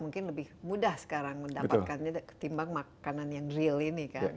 mungkin lebih mudah sekarang mendapatkannya ketimbang makanan yang real ini kan